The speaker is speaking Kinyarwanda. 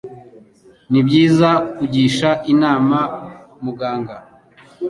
Ni byiza kugisha inama muganga